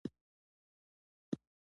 دوی د خپلو ګټو لپاره له تړونونو کار اخلي